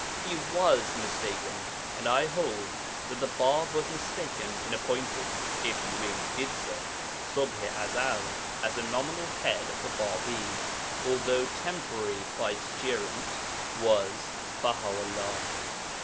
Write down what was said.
He was mistaken, and I hold that the Bāb was mistaken in appointing (if he really did so) Ṣubḥ i Ezel as a nominal head of the Bābīs when the true, although temporary vice gerent was Baha 'ullah.